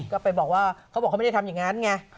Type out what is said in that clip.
เขาบอกว่าเขาไม่ได้ทำอย่างนั้นไง